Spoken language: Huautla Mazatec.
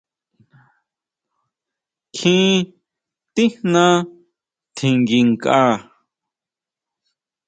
Kjín tijna tjinguinkʼa.